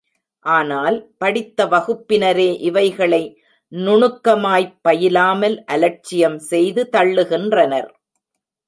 ஆனால், படித்த வகுப்பினரே இவைகளை நுணுக்கமாய்ப் பயிலாமல் அலட்சியம் செய்து தள்ளுகின்றனர்.